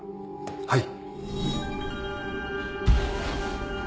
はい。